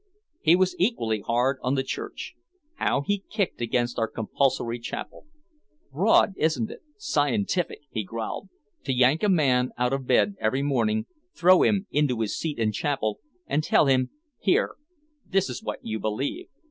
He was equally hard on the church. How he kicked against our compulsory chapel. "Broad, isn't it, scientific," he growled, "to yank a man out of bed every morning, throw him into his seat in chapel and tell him, 'Here. This is what you believe.